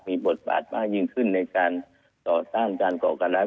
มีบทบาทมากยิ่งขึ้นในการต่อต้านการก่อการร้าย